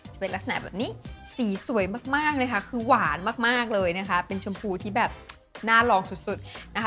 จะเป็นลักษณะแบบนี้สีสวยมากเลยค่ะคือหวานมากเลยนะคะเป็นชมพูที่แบบน่าลองสุดนะคะ